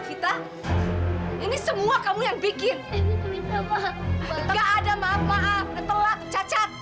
mira kan pernah